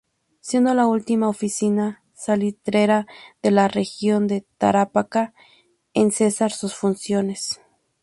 Siendo la última oficina salitrera de la Región de Tarapacá en cesar sus funciones.